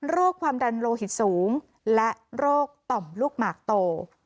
โรคความดันโลหิตสูงและโรคต่อมลูกหมากโต